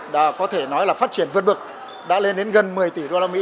đã có thể nói là phát triển vượt bực đã lên đến gần một mươi tỷ đô la mỹ